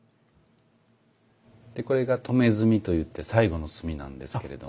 でこれが止炭と言って最後の炭なんですけれども。